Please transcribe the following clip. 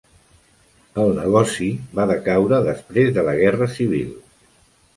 El negoci va decaure després de la Guerra Civil.